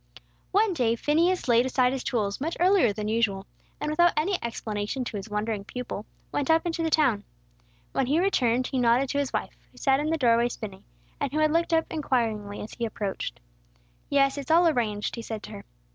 One day Phineas laid aside his tools much earlier than usual, and without any explanation to his wondering pupil, went up into the town. When he returned, he nodded to his wife, who sat in the doorway spinning, and who had looked up inquiringly as he approached. "Yes, it's all arranged," he said to her.